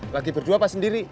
lagi berdua apa sendiri